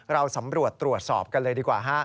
เราสำรวจตรวจสอบกันเลยดีกว่าฮะ